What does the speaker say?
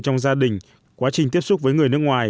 trong gia đình quá trình tiếp xúc với người nước ngoài